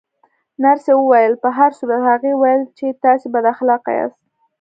نرسې وویل: په هر صورت، هغې ویل چې تاسې بد اخلاقه یاست.